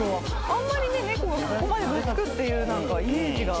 あんまりね猫がここまで懐くっていう何かイメージが。